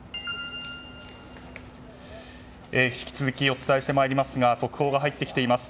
引き続きお伝えしてまいりますが速報が入ってきています。